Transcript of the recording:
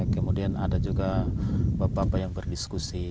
kemudian ada juga bapak bapak yang berdiskusi